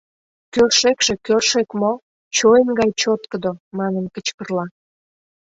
Кӧршӧкшӧ кӧршӧк мо, чойн гай чоткыдо!» — манын кычкырла.